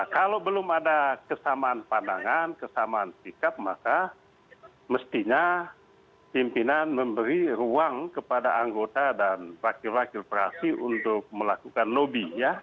kalau belum ada kesamaan pandangan kesamaan sikap maka mestinya pimpinan memberi ruang kepada anggota dan wakil wakil praksi untuk melakukan lobby ya